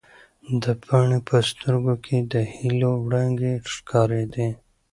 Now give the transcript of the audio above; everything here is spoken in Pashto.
د پاڼې په سترګو کې د هیلو وړانګې ښکارېدې.